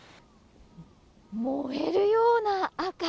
燃えるような赤。